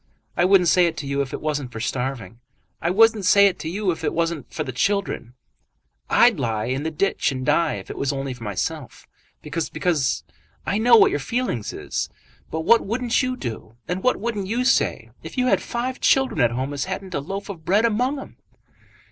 I wouldn't say it to you if it wasn't for starving. I wouldn't say it to you if it wasn't for the children. I'd lie in the ditch and die if it was only myself, because because I know what your feelings is. But what wouldn't you do, and what wouldn't you say, if you had five children at home as hadn't a loaf of bread among 'em?"